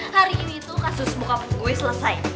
hari ini tuh kasus bokap gue selesai